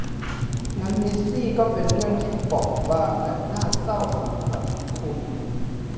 งั้นมิสซี่ก็เป็นเรื่องที่เปราะบางและน่าเศร้าสำหรับคุณ